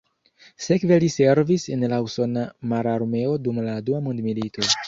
Sekve li servis en la usona mararmeo dum la Dua Mondmilito.